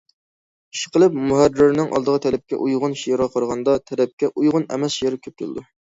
ئىشقىلىپ، مۇھەررىرنىڭ ئالدىغا تەلەپكە ئۇيغۇن شېئىرغا قارىغاندا، تەلەپكە ئۇيغۇن ئەمەس شېئىر كۆپ كېلىدۇ.